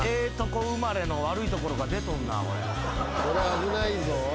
これ危ないぞ。